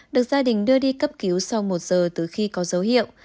được gia đình đưa đi cấp cứu sau một giờ từ khi có dấu hiệu